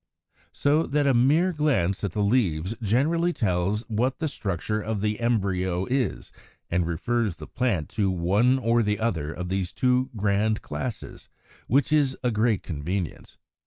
So that a mere glance at the leaves generally tells what the structure of the embryo is, and refers the plant to one or the other of these two grand classes, which is a great convenience.